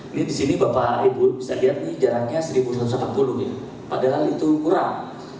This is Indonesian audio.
ini disini bapak ibu bisa lihat jaraknya satu satu ratus delapan puluh padahal itu kurang